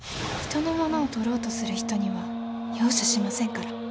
人のものをとろうとする人には容赦しませんから。